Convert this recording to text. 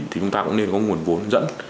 thì chúng ta cũng nên có nguồn vốn dẫn